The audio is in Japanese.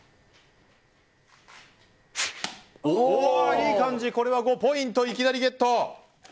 いい感じ、これは５ポイントいきなりゲット。